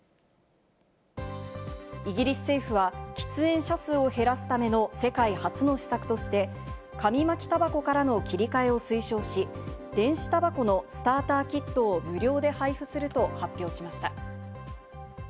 イギリス政府は喫煙者数を減らすための世界初の施策として、紙巻きたばこからの切り替えを推奨し、電子たばこのスターターキットを無料で配布すると発表しました。